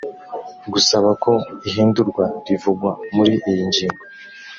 gusaba ko ihindurwa rivugwa muri iyi ngingo